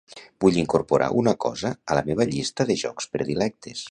Vull incorporar una cosa a la meva llista de jocs predilectes.